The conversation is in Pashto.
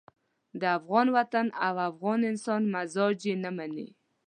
د افغان وطن او افغان انسان مزاج یې نه مني.